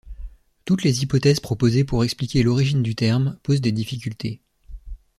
Toutes les hypothèses proposées pour expliquer l'origine du terme posent des difficultés.